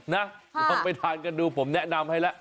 ลองไปทานกันดูผมแนะนำให้แล้ว